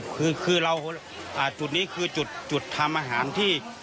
คือคือเราอ่าจุดนี้คือจุดจุดทำอาหารที่